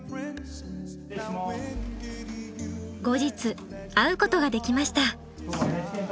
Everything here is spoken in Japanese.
後日会うことができました。